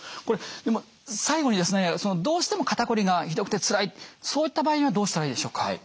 これ最後にですねどうしても肩こりがひどくてつらいそういった場合にはどうしたらいいでしょうか？